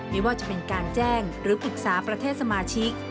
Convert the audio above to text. ไม่ว่าจะเป็นการแจ้งหรือปรึกษาประเทศสมาชิก